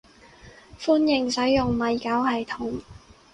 歡迎使用米狗系統